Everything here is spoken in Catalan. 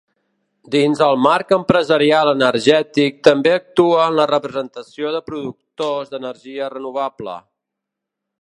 Dins el marc empresarial energètic també actua en la representació de productors d'energia renovable.